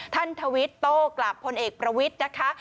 ทวิตโต้กลับพลเอกประวิทย์นะคะ